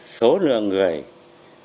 số lượng người vào rừng